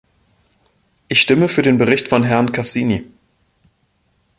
Ich stimme für den Bericht von Herrn Casini.